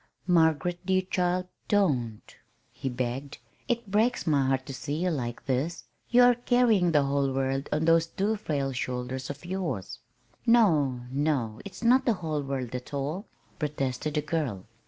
"Margaret, dear child, don't!" he begged. "It breaks my heart to see you like this. You are carrying the whole world on those two frail shoulders of yours." "No, no, it's not the whole world at all," protested the girl.